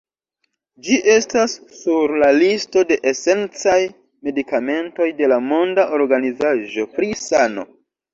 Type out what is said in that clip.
Ĝi estas sur la listo de esencaj medikamentoj de la Monda Organizaĵo pri Sano.